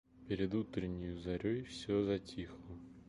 Перед утреннею зарей всё затихло.